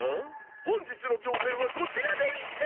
本日の挑戦はこちらでうぃす！